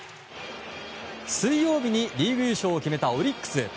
水曜日にリーグ優勝を決めたオリックス。